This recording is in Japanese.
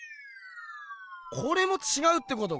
これもちがうってことか。